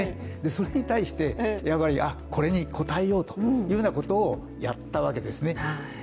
それに対して、これに応えようというようなことをやったわけですね。